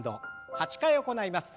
８回行います。